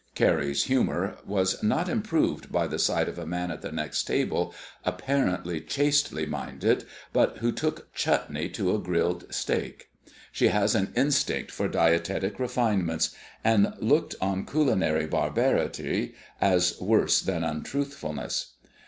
Carrie's humor was not improved by the sight of a man at the next table, apparently chastely minded, but who took chutney to a grilled steak. She has an instinct for dietetic refinements, and looks on culinary barbarity as worse than untruthfulness.